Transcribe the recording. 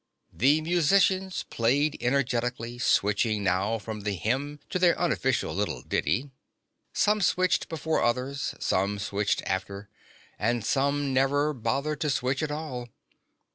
The musicians played energetically, switching now from the hymn to their unofficial little ditty. Some switched before others, some switched after, and some never bothered to switch at all.